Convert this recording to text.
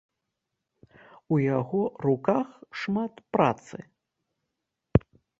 У яго руках шмат працы.